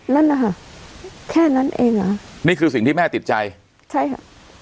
นั่นนะคะแค่นั้นเองเหรอนี่คือสิ่งที่แม่ติดใจใช่ค่ะ